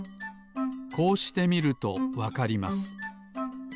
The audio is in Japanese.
こうしてみるとわかります。